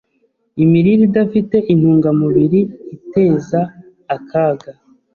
Imirire idafite intungamubiri iteza akaga